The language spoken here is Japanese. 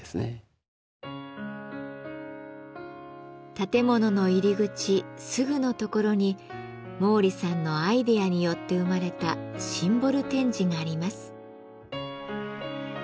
建物の入り口すぐのところに毛利さんのアイデアによって生まれたシンボル展示があります。